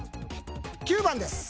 ９番です。